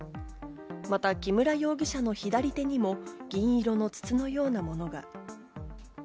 また木村容疑者の左手にも銀色の筒のようなものが。